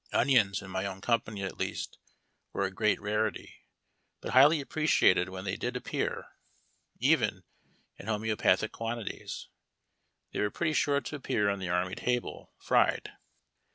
Onions, in my own company at least, were a great rarity, but highly appreciated when they did appear, even in homoeopathic quantities. They were pretty sure to appear on the army table, fried.